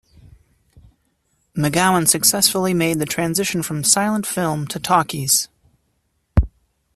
McGowan successfully made the transition from silent film to talkies.